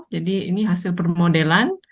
jadi ini hasil permodelan